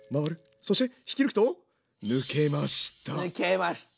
そして引き抜くと抜けました。